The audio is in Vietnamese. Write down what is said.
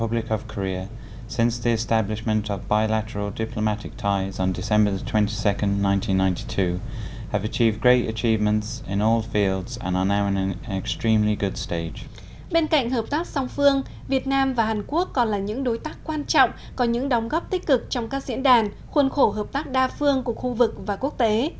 bên cạnh hợp tác song phương việt nam và hàn quốc còn là những đối tác quan trọng có những đóng góp tích cực trong các diễn đàn khuôn khổ hợp tác đa phương của khu vực và quốc tế